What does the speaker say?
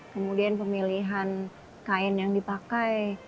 kemudian pemilihan kain yang dipakai